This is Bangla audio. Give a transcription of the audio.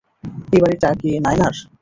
এই বাড়িটা কি নায়নার?